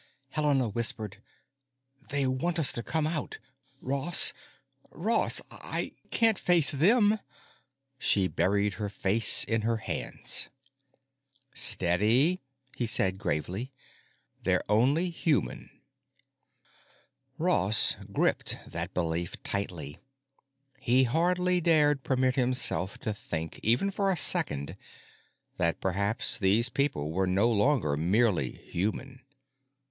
Helena whispered, "They want us to come out. Ross—Ross—I can't face them!" She buried her face in her hands. "Steady," he said gravely. "They're only human." Ross gripped that belief tightly; he hardly dared permit himself to think, even for a second, that perhaps these people were no longer merely human.